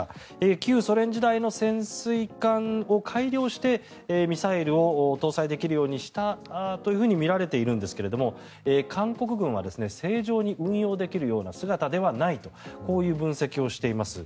旧ソ連時代の潜水艦を改良してミサイルを搭載できるようにしたとみられているんですが韓国軍は正常に運用できるような姿ではないとこういう分析をしています。